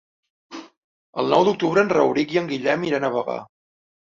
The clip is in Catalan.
El nou d'octubre en Rauric i en Guillem iran a Bagà.